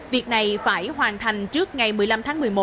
việc này phải hoàn thành trước ngày một mươi năm tháng một mươi một